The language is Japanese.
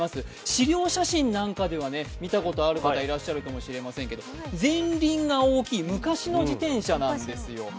資料写真なんかでは見たことある方いらっしゃるかもしれませんが、前輪が大きい昔の自転車なんですよ。